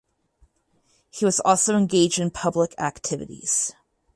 He was also engaged in public activities.